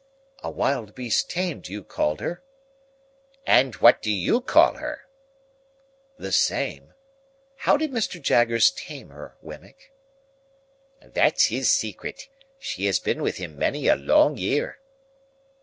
"A wild beast tamed, you called her." "And what do you call her?" "The same. How did Mr. Jaggers tame her, Wemmick?" "That's his secret. She has been with him many a long year."